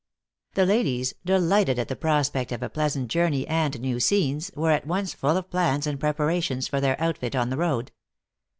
The ladies, delighted at the prospect of a pleasant journey and new scenes, were at once full of plans and preparations for their outfit on the road.